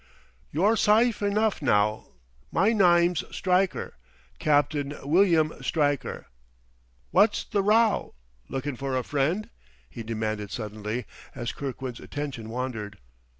"You're syfe enough now. My nyme's Stryker, Capt'n Wilyum Stryker.... Wot's the row? Lookin' for a friend?" he demanded suddenly, as Kirkwood's attention wandered.